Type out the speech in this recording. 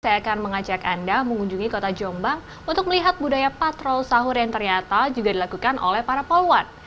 saya akan mengajak anda mengunjungi kota jombang untuk melihat budaya patrol sahur yang ternyata juga dilakukan oleh para poluan